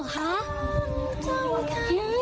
คุณย่าย